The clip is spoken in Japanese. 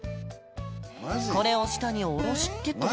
これを下に下ろしてと。